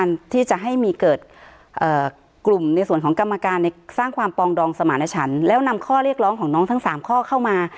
ในสร้างความปองดองสมาณชันแล้วนำข้อเรียกร้องของน้องทั้ง๓ข้อเข้ามา